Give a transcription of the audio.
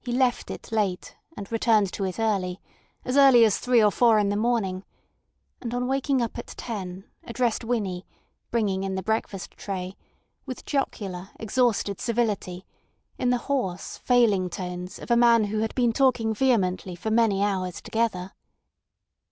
He left it late, and returned to it early—as early as three or four in the morning; and on waking up at ten addressed Winnie, bringing in the breakfast tray, with jocular, exhausted civility, in the hoarse, failing tones of a man who had been talking vehemently for many hours together.